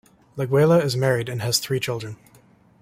Legwaila is married and has three children.